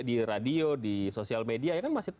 di radio di sosial media itu masih